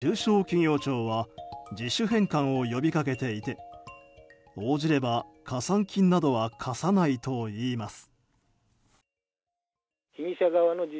中小企業庁は自主返還を呼び掛けていて応じれば、加算金などは課さないといいます。